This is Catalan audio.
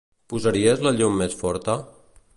Posaries la llum més forta?